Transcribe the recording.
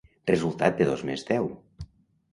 Resultat de dos més deu?